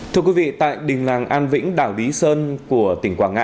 thưa quý vị tại đình làng an vĩnh đảo lý sơn của tỉnh quảng ngãi